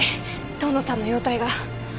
遠野さんの容体が。